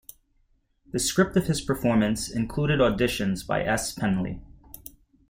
The script of this performance included additions by S. Penley.